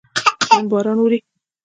نن باران اوري